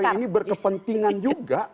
yang hari ini berkepentingan juga